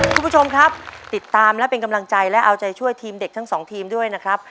คุณผู้ชมครับติดตามและเป็นกำลังใจและเอาใจช่วยทีมเด็กทั้งสองทีมด้วยนะครับ